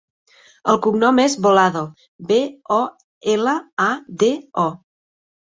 El cognom és Bolado: be, o, ela, a, de, o.